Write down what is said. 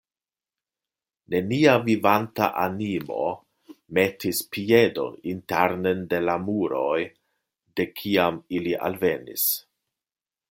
Nenia vivanta animo metis piedon internen de la muroj, de kiam ili alvenis.